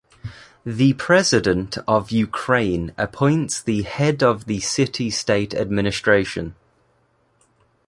The President of Ukraine appoints the Head of the City State Administration.